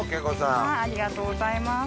ありがとうございます。